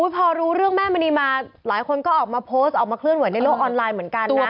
พอรู้เรื่องแม่มณีมาหลายคนก็ออกมาโพสต์ออกมาเคลื่อนไหวในโลกออนไลน์เหมือนกันนะ